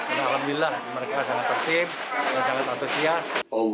alhamdulillah mereka sangat aktif sangat atosias